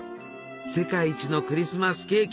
「世界一のクリスマスケーキ」。